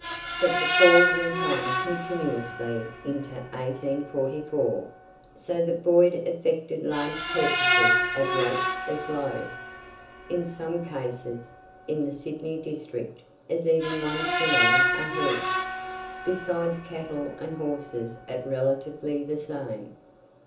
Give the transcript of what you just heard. But the fall went on continuously into 1844, so that Boyd effected large purchases at rates as low, in some cases, in the Sydney district, as even one shilling a head, besides cattle and horses at relatively the same.